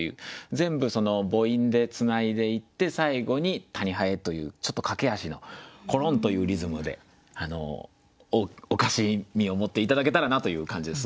全部母音でつないでいって最後に「たに蠅」というちょっと駆け足のころんというリズムでおかしみを持って頂けたらなという感じです。